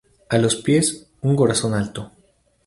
A los pies, un corazón alto.